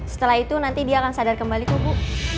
setelah itu nanti dia akan sadar kembali kok bu